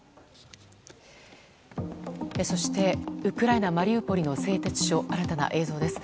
そしてウクライナ・マリウポリの製鉄所の新たな映像です。